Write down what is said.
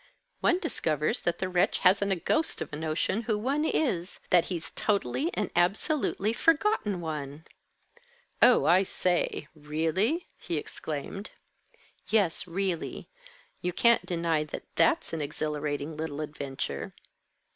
"One discovers that the wretch hasn't a ghost of a notion who one is that he's totally and absolutely forgotten one!" "Oh, I say! Really?" he exclaimed. "Yes, really. You can't deny that that's an exhilarating little adventure."